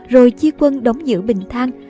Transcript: rồi chi quân đóng giữ bình thang